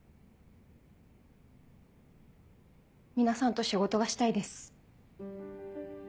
皆さんと仕事がしたいです。